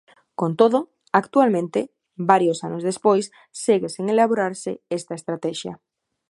Con todo, actualmente, varios anos despois, segue sen elaborarse esta estratexia.